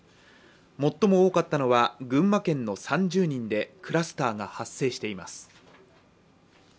最も多かったのは群馬県の３０人でクラスターが発生しています。